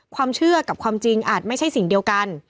ความเชื่อกับความจริงอาจไม่ใช่สิ่งเดียวกัน